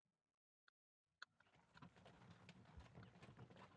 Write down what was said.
mitindo unaopendekezwa na washirika la kimataifa la